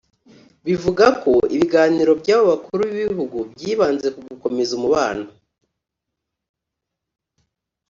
Bivuga ko ibiganiro by’abo bakuru b’ibihugu byibanze ku gukomeza umubano